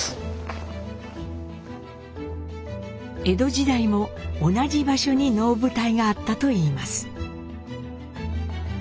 江戸時代も同じ場所に能舞台があったといいます。